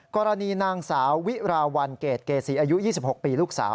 กรณีนางสาววิราวันเกรดเกษีอายุ๒๖ปีลูกสาว